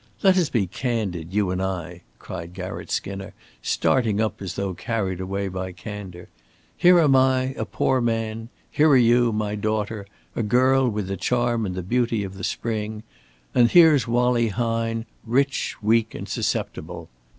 Let us be candid, you and I," cried Garratt Skinner, starting up, as though carried away by candor. "Here am I, a poor man here are you, my daughter, a girl with the charm and the beauty of the spring, and here's Wallie Hine, rich, weak, and susceptible.